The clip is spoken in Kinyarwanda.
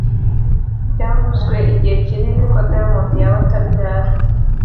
Byavuzwe igihe kinini ko Diamond yaba atabyara